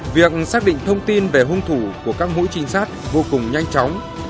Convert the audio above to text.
việc xác định thông tin về hung thủ của các mũi trinh sát vô cùng nhanh chóng